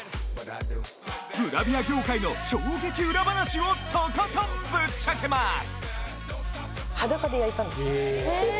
グラビア業界の衝撃ウラ話をとことんぶっちゃけます・え！？